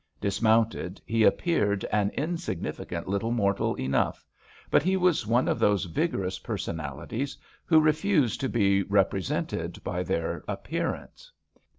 Dis mounted, he appeared an insignificant little mortal enough, but he was one of those vigorous personalities who refuse to be represented by their appearance.